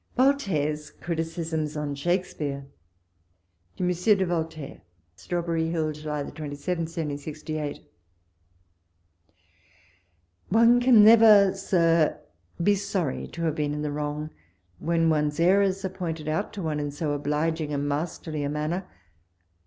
VOLTAIRE'S CRITICISMS ON SHAKESPEARE. To Monsieur de Voltaire. Straicherrji Hill, July 27, 1768. One can never. Sir, be sorry to have been in the wrong, when one's errors are pointed out to one in so obliging and masterly a manner.